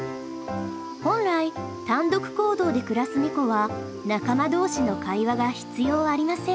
本来単独行動で暮らすネコは仲間同士の会話が必要ありません。